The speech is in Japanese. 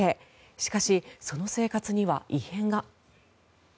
しかし、その生活には異変が。